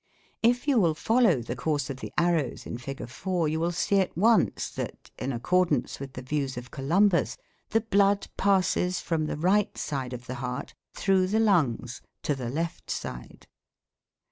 If you will follow the course of the arrows in Fig. 4 you will see at once that in accordance with the views of Columbus the blood passes from the right side of the heart, through the lungs, to the left side.